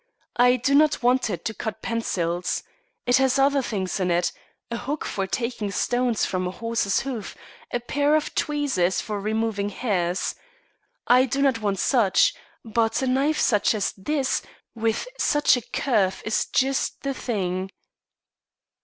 I do not want it to cut pencils. It has other things in it, a hook for taking stones from a horse's hoof, a pair of tweezers for removing hairs. I do not want such, but a knife such as this, with such a curve, is just the thing."